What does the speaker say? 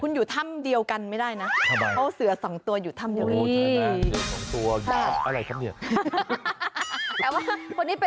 คุณอยู่ธรรมเดียวกันไม่ได้นะด้วยเสือสองตัวอยู่ธรรมเดียวนี้